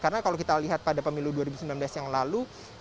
karena kalau kita lihat pada pemilu dua ribu sembilan belas yang lalu